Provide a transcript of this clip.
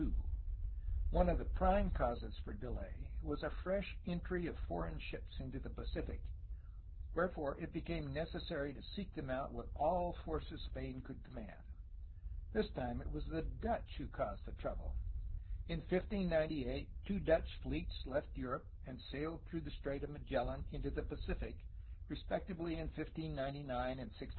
One of the prime causes for the delay was a fresh entry of foreign ships 130 A HISTORY OF CALIFORNIA into the Pacific, wherefore it became necessary to seek them out with all the forces Spain could command. This time it was the Dutch who caused the trouble. In 1598 two Dutch fleets left Europe and sailed through the Strait of Magellan into the Pacific, respectively in 1599 and 1600.